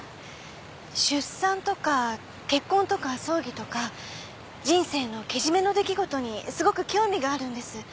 出産とか結婚とか葬儀とか人生のけじめの出来事にすごく興味があるんです。